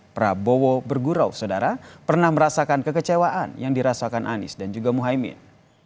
prabowo bergurau saudara pernah merasakan kekecewaan yang dirasakan anies dan juga muhaymin